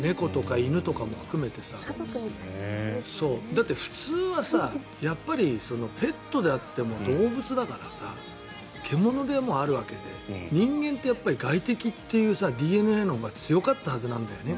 だって、普通はやっぱりペットであっても動物だからさ獣でもあるわけで人間って外敵っていうＤＮＡのほうが強かったはずなんだよね。